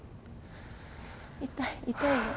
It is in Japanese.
痛い痛いよ。